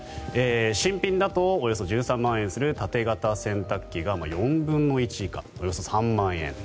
新品だとおよそ１３万円する縦型洗濯機が４分の１以下およそ３万円。